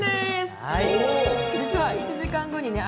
実は１時間後にね